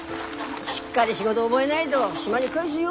しっかり仕事覚えないと島に帰すよ。